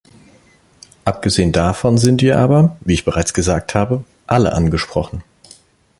Abgesehen davon sind wir aber, wie ich bereits gesagt habe, alle angesprochen.